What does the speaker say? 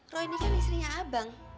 roy ini kan istrinya abang